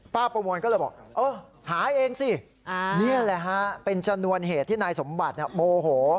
ประมวลก็เลยบอกเออหาเองสินี่แหละฮะเป็นชนวนเหตุที่นายสมบัติโมโห